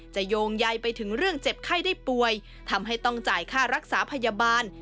โยงใยไปถึงเรื่องเจ็บไข้ได้ป่วยทำให้ต้องจ่ายค่ารักษาพยาบาล